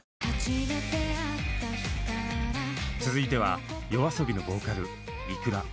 続いてはＹＯＡＳＯＢＩのボーカルｉｋｕｒａ。